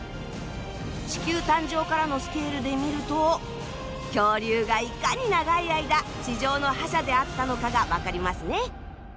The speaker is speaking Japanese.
地球誕生からのスケールで見ると恐竜がいかに長い間地上の覇者であったのかがわかりますね。